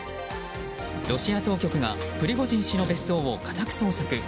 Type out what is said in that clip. ロシア当局がプリゴジン氏の別荘を家宅捜索。